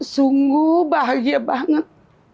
sungguh bahagia banget